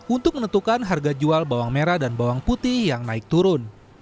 untuk menentukan harga jual bawang merah dan bawang putih yang naik turun